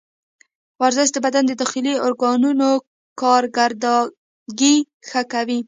ورزش د بدن د داخلي ارګانونو کارکردګي ښه کوي.